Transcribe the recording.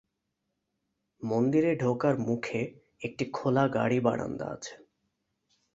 মন্দিরে ঢোকার মুখে একটি খোলা গাড়ী-বারান্দা আছে।